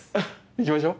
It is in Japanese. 行きましょう。